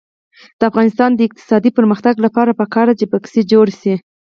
د افغانستان د اقتصادي پرمختګ لپاره پکار ده چې بکسې جوړې شي.